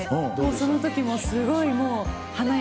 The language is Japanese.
その時もすごい。